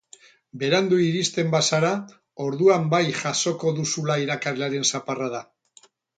Berandu iristen bazara orduan bai jasoko duzula irakaslearen zaparrada!